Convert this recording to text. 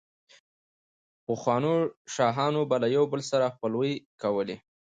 پخوانو شاهانو به له يو بل سره خپلوۍ کولې،